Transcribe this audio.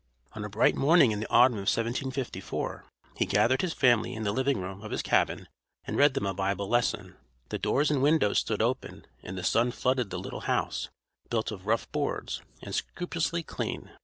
On a bright morning in the autumn of 1754 he gathered his family in the living room of his cabin and read them a Bible lesson. The doors and windows stood open, and the sun flooded the little house, built of rough boards, and scrupulously clean.